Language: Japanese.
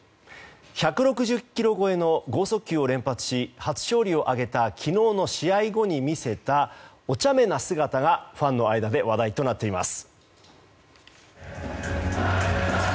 １６０キロ超えの豪速球を連発し初勝利を挙げた昨日の試合後に見せたお茶目な姿がファンの間で話題となっています。